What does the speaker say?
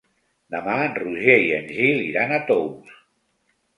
Demà en Roger i en Gil iran a Tous.